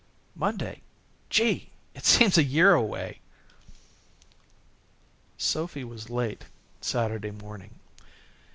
"Monday. Gee! it seems a year away." Sophy was late Saturday morning.